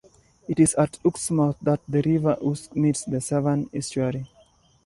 It is at Uskmouth that the River Usk meets the Severn estuary.